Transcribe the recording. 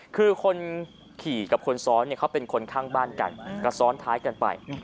คือคนขี่กับคนซ้อนเนี่ยเขาเป็นคนข้างบ้านกันก็ซ้อนท้ายกันไป